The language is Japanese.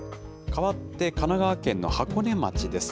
かわって、神奈川県の箱根町です。